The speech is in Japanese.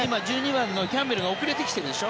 １２番のキャンベルが遅れてきてるでしょ。